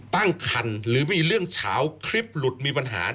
ตั้งคันหรือมีเรื่องเฉาคลิปหลุดมีปัญหา